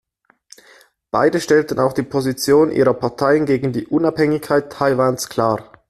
Beide stellten auch die Position ihrer Parteien gegen die Unabhängigkeit Taiwans klar.